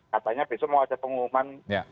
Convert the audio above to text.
katanya besok mau ada pengumuman